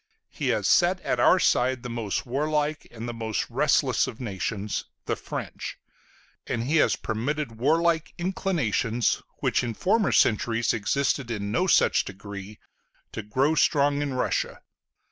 He has set at our side the most war like and the most restless of nations, the French; and he has permitted warlike inclinations, which in former centuries existed in no such degree, to grow strong in Russia.